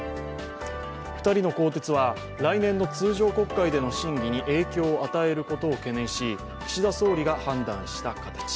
２人の更迭は来年の通常国会での審議に影響を与えることを懸念し岸田総理が判断した形。